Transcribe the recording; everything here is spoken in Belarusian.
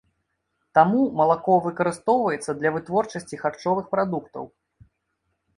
Таму малако выкарыстоўваецца для вытворчасці харчовых прадуктаў.